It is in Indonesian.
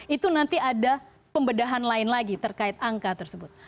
itu nanti ada pembedahan lain lagi terkait angka tersebut